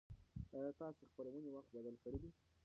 ایا تاسي د خپرونې وخت بدل کړی دی؟